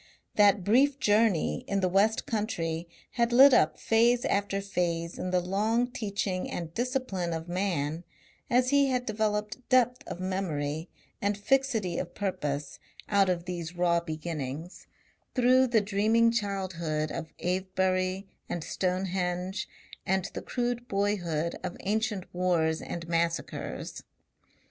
That brief journey in the west country had lit up phase after phase in the long teaching and discipline of man as he had developed depth of memory and fixity of purpose out of these raw beginnings, through the dreaming childhood of Avebury and Stonehenge and the crude boyhood of ancient wars and massacres.